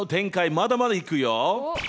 まだまだいくよ。